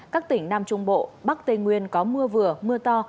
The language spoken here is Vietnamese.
các tỉnh nam trung bộ bắc tây nguyên có mưa vừa mưa to